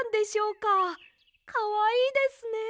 かわいいですね。